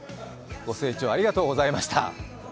ご清聴ありがとうございました。